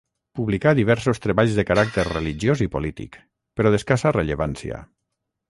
Publicà diversos treballs de caràcter religiós i polític, però d'escassa rellevància.